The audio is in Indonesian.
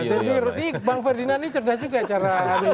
saya pikir ini bang ferdinand ini cerdas juga cara adanya ini